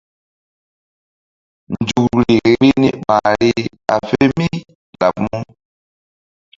Nzukri vbi ni ɓahri a fe mí laɓ mu?